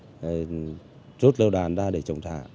sẵn sàng rút lựu đạn ra để trọng trả